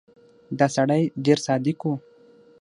دا سړی ډېر صادق و.